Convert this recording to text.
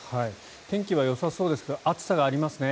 天気はよさそうですが暑さはありますね。